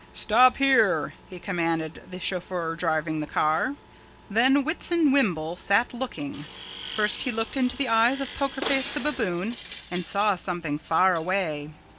"Stop here," he commanded the chauffeur driving the car. Then Whitson Whimble sat looking. First he looked into the eyes of Poker Face the Baboon and saw something faraway.